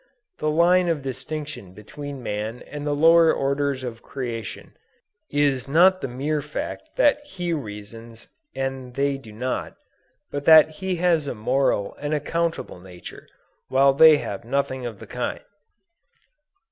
The line of distinction between man and the lower orders of creation, is not the mere fact that he reasons and they do not, but that he has a moral and accountable nature, while they have nothing of the kind.